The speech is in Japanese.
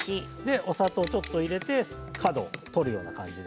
お砂糖をちょっと入れて角を取る感じで。